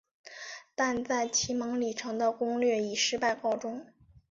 但在骑牟礼城的攻略以失败告终。